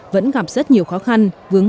vẫn gặp rất nhiều khó khăn